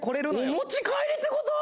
お持ち帰りって事？